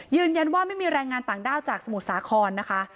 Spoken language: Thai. ยืนยันว่าไม่มีแรงงานต่างด้าวจากสมุทรสาครนะคะ